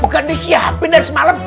bukan disiapin dari semalam